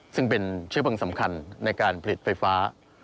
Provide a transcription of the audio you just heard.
ซึ่งเป็นเชื้อเพลิงสำคัญในการผลิตไฟฟ้า